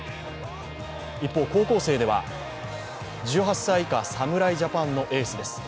一方、高校生では１８歳以下侍ジャパンのエースです。